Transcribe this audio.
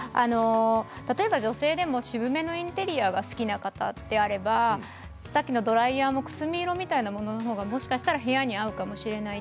例えば女性でも渋めのインテリアが好きな方であればさっきのドライヤーもくすみ色みたいなもののほうがもしかしたら部屋に合うかもしれない。